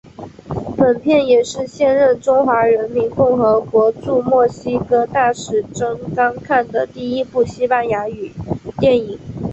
本片也是现任中华人民共和国驻墨西哥大使曾钢看的第一部西班牙语电影。